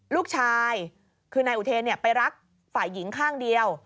ลูกชายคือนายอุเทนไปรักฝ่ายหญิงข้างเดียว